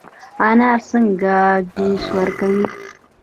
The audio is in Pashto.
انار څنګه جوس ورکوي؟